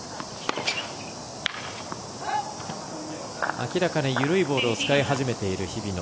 明らかに緩いボールを使い始めている日比野。